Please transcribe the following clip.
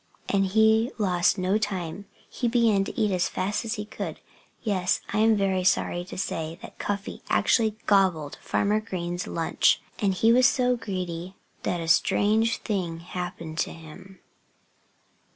And he lost no time. He began to eat as fast as he could. Yes I am very sorry to say that Cuffy actually gobbled Farmer Green's lunch. And he was so greedy that a strange thing happened to him.